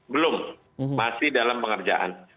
belum masih dalam pengerjaan